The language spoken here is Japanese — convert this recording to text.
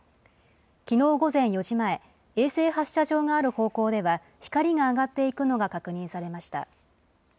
きのう午前４時前、衛星発射場がある方向では、光が上がっていくのが確認されました。